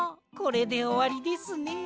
これでおわりですね。